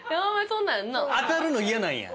当たるの嫌なんや。